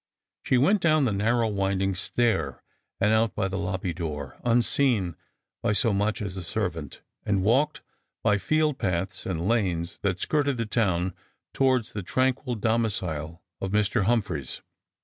She went down the narrow winding stair, and out by the lobby door, unseen by so much as a servant ; and walked, by field paths and lanes that skirted the town, towards the tranquil domicile of Mr. Humphreys.